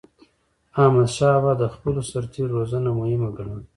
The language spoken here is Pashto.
احمدشاه بابا د خپلو سرتېرو روزنه مهمه ګڼله.